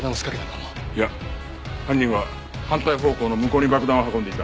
いや犯人は反対方向の向こうに爆弾を運んでいた。